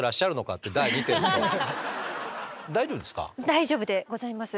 大丈夫でございます。